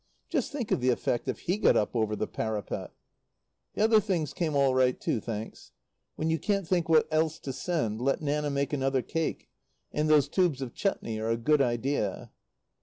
Just think of the effect if he got up over the parapet! The other things came all right, too, thanks. When you can't think what else to send let Nanna make another cake. And those tubes of chutney are a good idea.